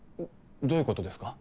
どういうことですか？